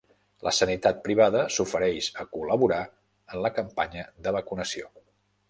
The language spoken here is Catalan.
La sanitat privada s'ofereix a col·laborar en la campanya de vacunació.